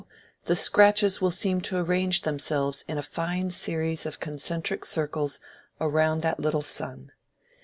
the scratches will seem to arrange themselves in a fine series of concentric circles round that little sun.